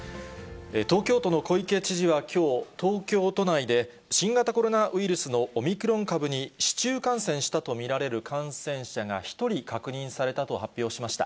東京都の小池知事はきょう、東京都内で新型コロナウイルスのオミクロン株に、市中感染したと見られる感染者が１人確認されたと発表しました。